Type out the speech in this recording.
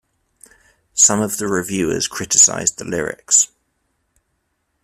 Some of the reviewers criticized the lyrics.